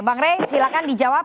bang ray silakan dijawab